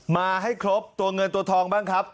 มาให้ครบตัวเงินตัวทองบ้างครับ